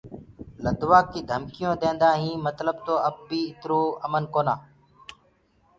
لدوآ ڪيٚ ڌمڪيٚونٚ ديندآ هينٚ متلب تو اب بي اِترو امن ڪونا۔